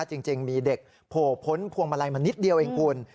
จริงมีเด็กโผล่พ้นพวงมาลัยมานิดเดียวเองคุณ